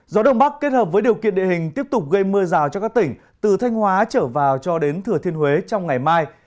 gió đông bắc kết hợp với điều kiện địa hình tiếp tục gây mưa rào cho các tỉnh từ thanh hóa trở vào cho đến thừa thiên huế trong ngày mai